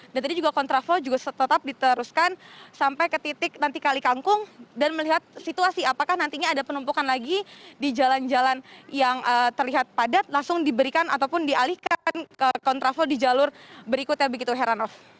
dan tadi juga kontra flow juga tetap diteruskan sampai ke titik nanti kali kangkung dan melihat situasi apakah nantinya ada penumpukan lagi di jalan jalan yang terlihat padat langsung diberikan ataupun dialihkan ke kontra flow di jalur berikutnya begitu heran of